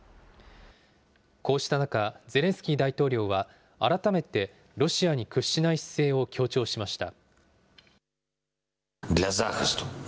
こうした中、ゼレンスキー大統領は、改めてロシアに屈しない姿勢を強調しました。